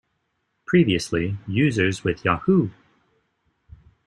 Previously, users with Yahoo!